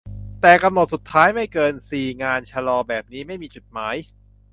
"แต่กำหนดสุดท้าย ไม่เกินซี งานชลอแบบนี้ไม่มีจุดหมาย"